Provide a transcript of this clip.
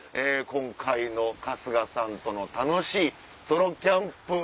今回の春日さんとの楽しいソロキャンプ？